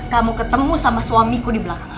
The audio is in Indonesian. kamu ketemu sama suamiku di belakang